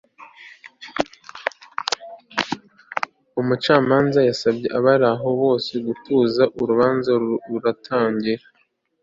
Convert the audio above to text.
Umucamanza yasabye abari aho bose gutuza urubanza ruratangira